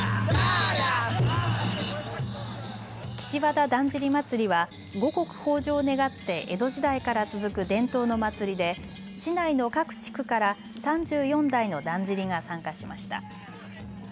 岸和田だんじり祭は五穀豊じょうを願って江戸時代から続く伝統の祭りで市内の各地区から３４台のだんじりが参加しました。